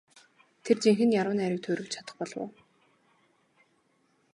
Тэр жинхэнэ яруу найраг туурвиж чадах болов уу?